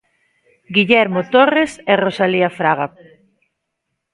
Guillermo Torres e Rosalía Fraga.